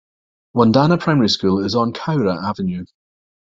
Wandana Primary School is on Cowra Avenue.